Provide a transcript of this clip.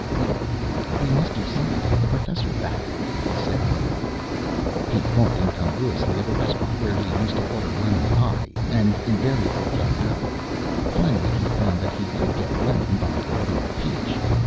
"We we must do something to get the Professor back," he said worriedly. He thought incongruously of a restaurant where he used to order lemon pie and invariably get apple. Finally he found that he could get lemon by ordering peach.